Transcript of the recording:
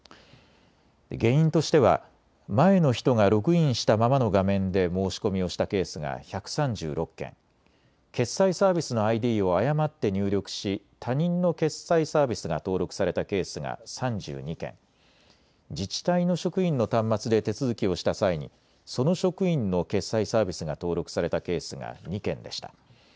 原因としては前の人がログインしたままの画面で申し込みをしたケースが１３６件、決済サービスのＩＤを誤って入力し他人の決済サービスが登録されたケースが３２件、自治体の職員の端末で手続きをした際にその職員の決済サービスが登録されたケースが２件でした。